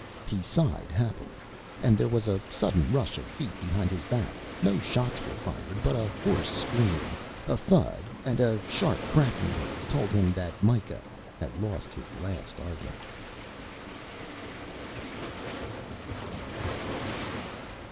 He sighed happily and there was a sudden rush of feet behind his back. No shots were fired but a hoarse scream, a thud and a sharp cracking noise told him that Mikah had lost his last argument.